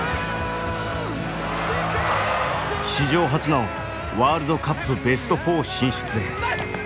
史上初のワールドカップベスト４進出へ。